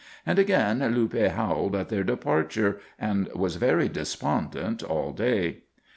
And again Luppe howled at their departure and was very despondent all day.